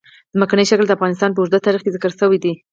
ځمکنی شکل د افغانستان په اوږده تاریخ کې ذکر شوې ده.